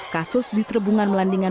kasus di terbungan melandingkuluh